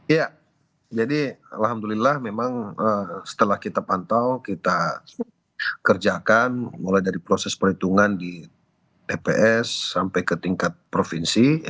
ya jadi alhamdulillah memang setelah kita pantau kita kerjakan mulai dari proses perhitungan di tps sampai ke tingkat provinsi